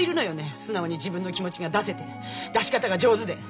素直に自分の気持ちが出せて出し方が上手で。